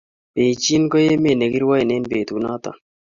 Bejin ko emet nekirwaen en betut neton